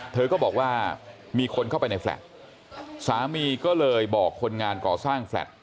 เธอก็บอกว่ามีคนเข้าไปในแฟลต์สามีก็เลยบอกคนงานก่อสร้างแฟลต